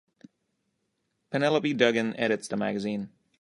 Penelope Duggan edits the magazine.